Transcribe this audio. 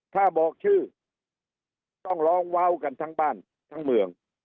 ถ้าบอกชื่อต้องร้องว้าวกันทั้งบ้านทั้งเมือง